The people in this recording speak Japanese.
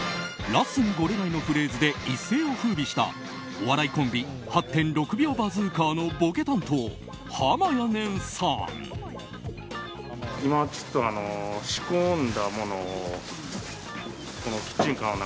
ラッスンゴレライのフレーズで一世を風靡したお笑いコンビ８．６秒バズーカーのボケ担当はまやねんさん。